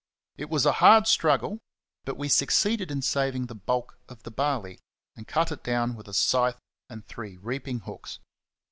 It was a hard struggle, but we succeeded in saving the bulk of the barley, and cut it down with a scythe and three reaping hooks.